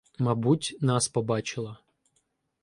— Мабуть, нас побачила.